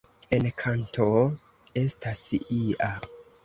En kanto estas ia.